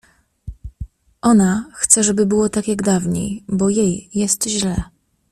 Ona chce, żeby było tak, jak dawniej, bo jej jest źle.